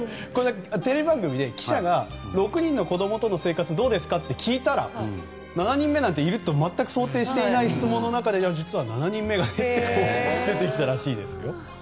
テレビ番組で記者が、６人目の子供との生活はどうですかと聞いたら７人目なんているって全く想定していない質問の中で実は７人目がいるって出てきたらしいです。